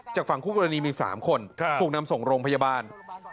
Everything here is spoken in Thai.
จากฝั่งคู่กรณีมี๓คนถูกนำส่งโรงพยาบาล